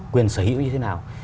quyền sở hữu như thế nào